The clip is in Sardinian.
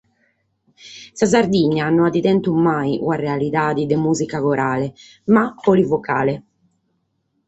Sa Sardigna no at tentu mai una realidade de mùsica corale, ma polivocale.